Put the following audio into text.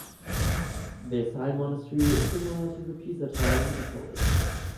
This high monastery is similar to the Pisa Tower in Italy.